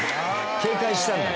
警戒したんだ。